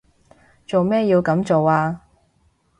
做咩要噉做啊？